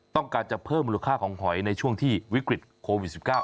ต้องการจะเพิ่มมูลค่าของหอยในช่วงที่วิกฤตโควิด๑๙